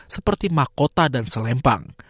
seperti makota dan selempang